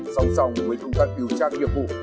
sống sòng với công tác tiêu tra nghiệp vụ